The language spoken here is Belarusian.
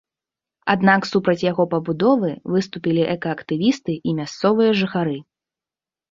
Аднак супраць яго пабудовы выступілі экаактывісты і мясцовыя жыхары.